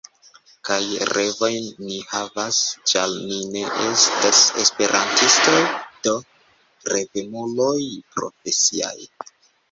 Kaj revojn ni havas, ĉar ni estas Esperantistoj, do revemuloj profesiaj.